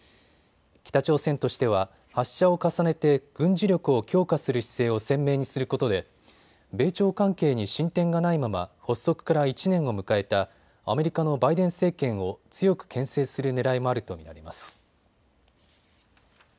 北朝鮮としては発射を重ねて軍事力を強化する姿勢を鮮明にすることで米朝関係に進展がないまま発足から１年を迎えたアメリカのバイデン政権を強くけん制するねらいもあると見られます。